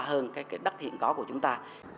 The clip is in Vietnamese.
hơn đất hiện có của chúng ta